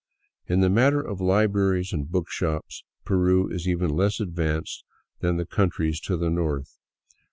In the matter of libraries and book shops Peru is even less advanced than the countries to the north.